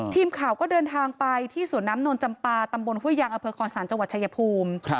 ทีมข่าวก็เดินทางไปที่สวนน้ำนวลจำปาตำบลห้วยยางอเภนศาลจังหวัดชายภูมิ